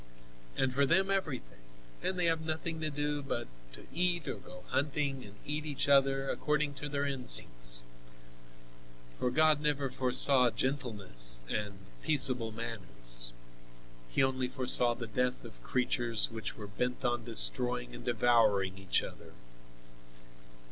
And for them, everything, and they have nothing to do but to eat or go hunting and eat each other, according to their instincts, for God never foresaw gentleness and peaceable manners; He only foresaw the death of creatures which were bent on destroying and devouring each other.